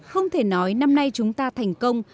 không thể nói năm nay chúng ta thành công